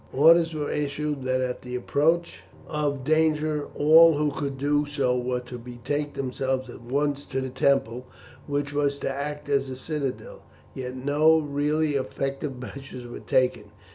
Orders were issued that at the approach of danger all who could do so were to betake themselves at once to the temple, which was to act as a citadel, yet no really effective measures were taken.